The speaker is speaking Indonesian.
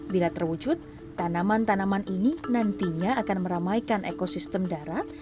bila terwujud tanaman tanaman ini nantinya akan meramaikan ekosistem darat